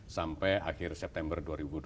sampai akhir september dua ribu dua puluh